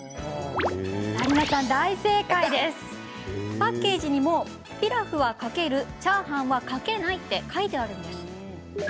パッケージにも、ピラフはかけるチャーハンはかけないって書かれてあります。